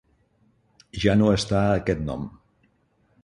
Ja no està a aquest nom.